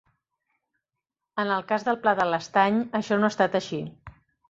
En el cas del Pla de l'Estany això no ha estat així.